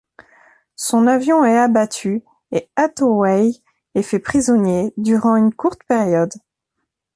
Son avion est abattu et Hathaway est fait prisonnier durant une courte période.